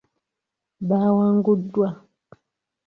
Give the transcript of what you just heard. Baawanguddwa.